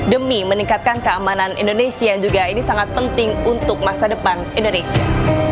dan meningkatkan keamanan indonesia yang juga ini sangat penting untuk masa depan indonesia